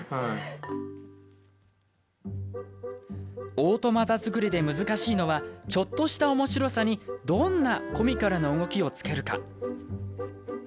オートマタ作りで難しいのはちょっとしたおもしろさにどんなコミカルな動きをつけるか。